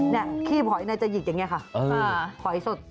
อ๋อเนี่ยขี้บหอยในจะหยิกอย่างเงี้ยค่ะเออหอยสด